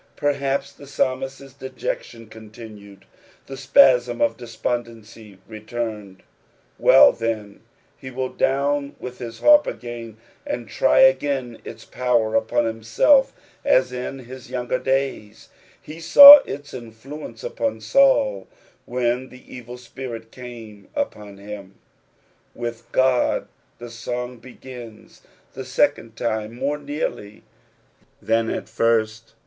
Perhaps the psalmist's dejection continued, the spasm of despondency returned ; well, then, he will down with his barp again, and try again its power upon himself, as in his younger days, he saw its inBuence upon Saul when the evil spirit came upon him. With God the song begins the second time more nearly than at first.